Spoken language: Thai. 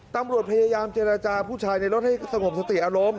ตำรวจพยายามเจรจาผู้ชายในรถให้สงบสติอารมณ์